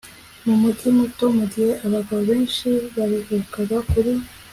mumujyi muto mugihe abagabo benshi baruhukaga kuri